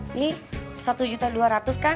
ini rp satu dua ratus kan